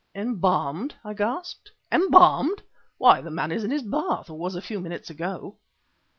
"Embalmed!" I gasped. "Embalmed! Why, the man is in his bath, or was a few minutes ago."